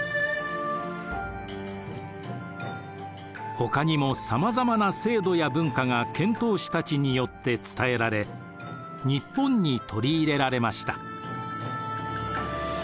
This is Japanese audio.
ほかにもさまざまな制度や文化が遣唐使たちによって伝えられ日本に取り入れられました。